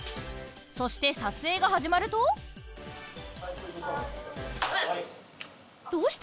そして撮影が始まるとどうした？